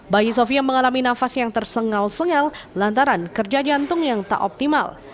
bayi sofia mengalami nafas yang tersengal sengal lantaran kerja jantung yang tak optimal